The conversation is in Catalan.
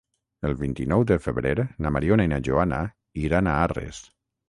El vint-i-nou de febrer na Mariona i na Joana iran a Arres.